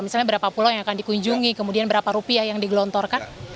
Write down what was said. misalnya berapa pulau yang akan dikunjungi kemudian berapa rupiah yang digelontorkan